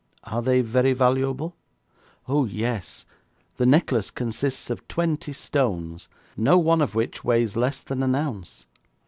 'Are they very valuable?' 'Oh, yes; the necklace consists of twenty stones, no one of which weighs less than an ounce.